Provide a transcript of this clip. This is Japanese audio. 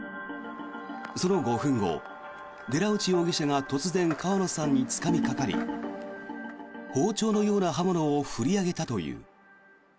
その５分後、寺内容疑者が突然、川野さんにつかみかかり包丁のような刃物を振り上げたという。